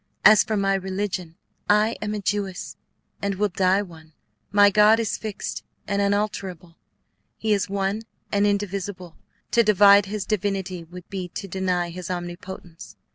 As for my religion, I am a Jewess, and will die one. My God is fixed and unalterable; he is one and indivisible; to divide his divinity would be to deny his omnipotence.